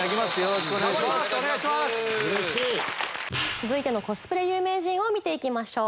続いてのコスプレ有名人を見ていきましょう。